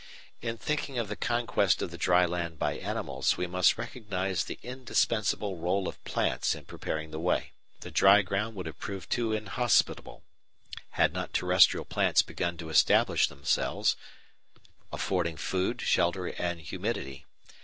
In thinking of the conquest of the dry land by animals, we must recognise the indispensable rôle of plants in preparing the way. The dry ground would have proved too inhospitable had not terrestrial plants begun to establish themselves, affording food, shelter, and humidity.